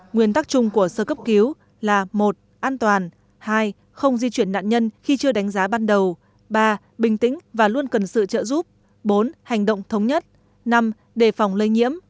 nguyên tắc chung của sơ cấp cứu là một an toàn hai không di chuyển nạn nhân khi chưa đánh giá ban đầu ba bình tĩnh và luôn cần sự trợ giúp bốn hành động thống nhất năm đề phòng lây nhiễm